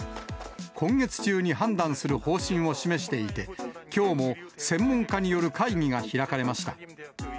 今月中に判断する方針を示していて、きょうも専門家による会議が開かれました。